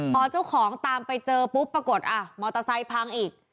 พอเจ้าของตามไปเจอปุ๊บปรากฏอ่ะมอเตอร์ไซค์พังอีก